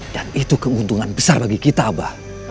dan itu keuntungan besar bagi kita abah